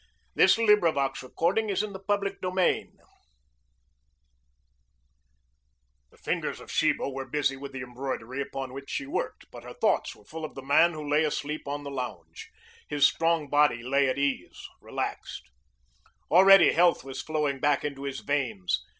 CHAPTER XIX SHEBA DOES NOT THINK SO The fingers of Sheba were busy with the embroidery upon which she worked, but her thoughts were full of the man who lay asleep on the lounge. His strong body lay at ease, relaxed. Already health was flowing back into his veins.